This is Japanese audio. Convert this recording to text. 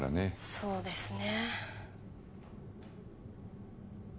そうですね